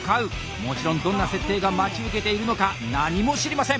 もちろんどんな設定が待ち受けているのか何も知りません。